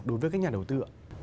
đối với các nhà đầu tư